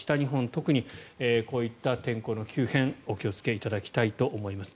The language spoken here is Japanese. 特にこういった天候の急変にお気をつけいただきたいと思います。